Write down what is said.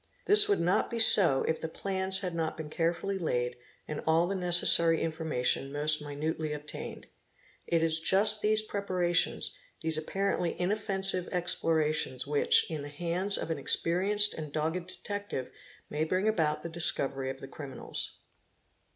This would not be so if the plans had not been carefully laid and all the necessary ~ information most minutely obtained. It is just these preparations, these _ apparently inoffensive explorations which, in the hands of an experienced — and dogged detective, may bring about the discovery of the criminals.